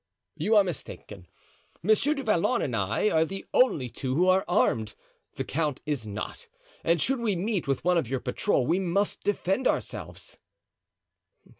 "You are mistaken. Monsieur du Vallon and I are the only two who are armed. The count is not; and should we meet with one of your patrol we must defend ourselves."